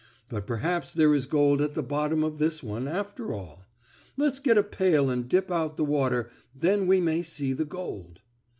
"But perhaps there is gold at the bottom of this one, after all. Let's get a pail and dip out the water, then we may see the gold."